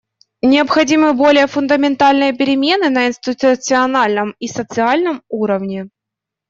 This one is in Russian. Необходимы более фундаментальные перемены на институциональном и социальном уровне.